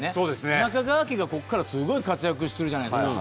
中川家がここからすごい活躍するじゃないですか。